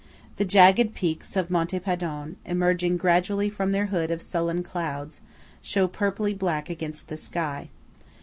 The jagged peaks of Monte Padon, emerging gradually from their hood of sullen clouds, show purply black against the sky.